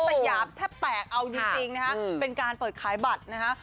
สยามแทบแตกเอาจริงนะฮะเป็นการเปิดขายบัตรนะฮะ